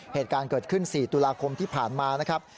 เหตุการณ์เกิดขึ้น๔ตุลาคมที่ผ่านมานะครับ